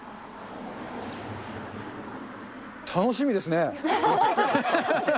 楽しみですね。